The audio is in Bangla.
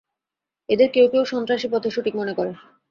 এদের কেউ কেউ সন্ত্রাসী পথই সঠিক মনে করে।